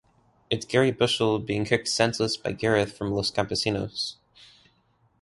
It's Garry Bushell being kicked senseless by Gareth from Los Campesinos!